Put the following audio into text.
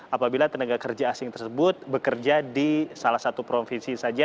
apabila tenaga kerja asing tersebut bekerja di salah satu provinsi saja